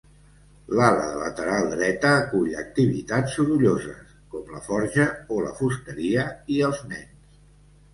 L'ala lateral dreta acull activitats sorolloses, com la forja o la fusteria i els nens.